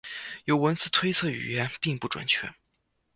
由文字推测语言并不准确。